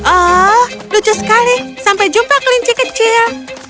oh lucu sekali sampai jumpa kelinci kecil